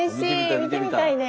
見てみたいです。